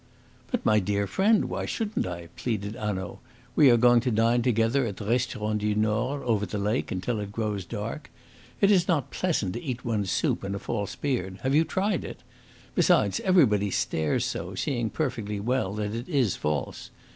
"But, my dear friend, why shouldn't I?" pleaded Hanaud. "We are going to dine together at the Restaurant du Nord, over the lake, until it grows dark. It is not pleasant to eat one's soup in a false beard. Have you tried it? Besides, everybody stares so, seeing perfectly well that it is false.